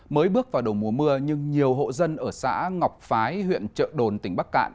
mới bước vào đầu mùa mưa nhưng nhiều hộ dân ở xã ngọc phái huyện trợ đồn tỉnh bắc cạn